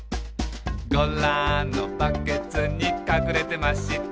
「ゴラのバケツにかくれてました」